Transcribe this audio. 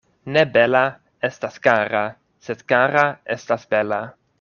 Ne bela estas kara, sed kara estas bela.